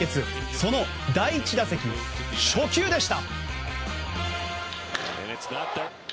その第１打席、初球でした。